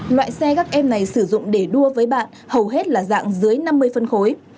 loại xe các em này sử dụng để đua với bạn hầu hết là dạng dưới năm mươi phân khối